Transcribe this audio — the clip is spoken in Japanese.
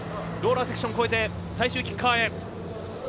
ローラーセクション越えて最終キッカーへ。